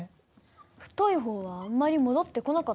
太い方はあんまり戻ってこなかった。